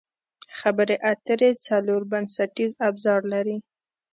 خبرې اترې څلور بنسټیز ابزار لري.